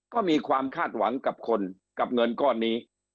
ก็มีความคาดหวังกับคนกับเงินก้อนนี้